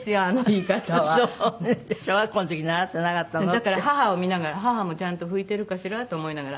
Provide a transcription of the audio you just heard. だから母を見ながら母もちゃんと拭いてるかしら？と思いながら。